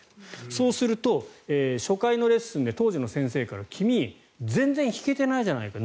そうすると初回のレッスンで当時の先生から君、全然弾けてないじゃないか。